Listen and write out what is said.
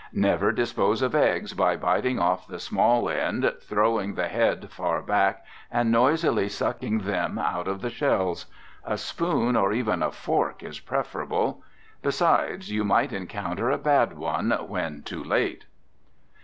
Never dispose of eggs by biting off the small end, throwing the head far back, and noisily sucking them out of the shells. A spoon, or even a fork, is preferable. Besides you might encounter a bad one when too late.